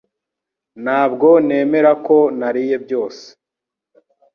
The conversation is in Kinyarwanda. Ntabwo nemera ko nariye byose